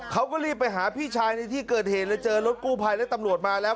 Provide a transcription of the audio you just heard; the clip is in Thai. เขาก็รีบไปหาพี่ชายในที่เกิดเหตุเลยเจอรถกู้ภัยและตำรวจมาแล้ว